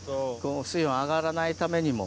水温上がらないためにも。